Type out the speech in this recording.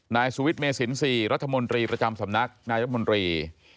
นายสุวิทย์เมสิน๔รัฐมนตรีประจำสำนักนายรัฐมนตรี